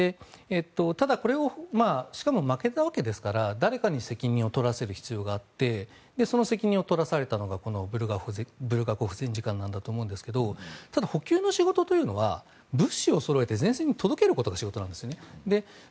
ただ、これはしかも負けたわけですから誰かに責任を取らせる必要があってその責任を取らされたのがブルガコフ前次官だと思うんですがただ、補給の仕事というのは物資を前線に届けることなんですね。